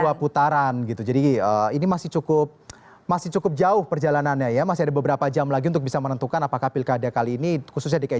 dua putaran gitu jadi ini masih cukup jauh perjalanannya ya masih ada beberapa jam lagi untuk bisa menentukan apakah pilkade kali ini